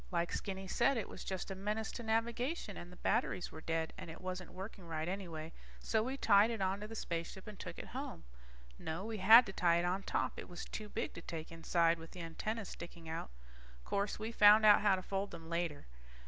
Like Skinny said, it was just a menace to navigation, and the batteries were dead, and it wasn't working right anyway. So we tied it onto the spaceship and took it home. No, we had to tie it on top, it was too big to take inside with the antennas sticking out. Course, we found out how to fold them later.